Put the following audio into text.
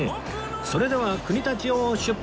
それでは国立を出発！